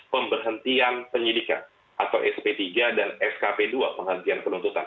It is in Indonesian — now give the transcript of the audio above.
pemberhentian penyidikan atau sp tiga dan skp dua penghentian penuntutan